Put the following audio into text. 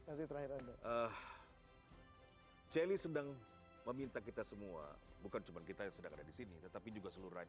ah hai jeli sedang meminta kita semua bukan cuman kita sedang ada di sini tetapi juga seluruh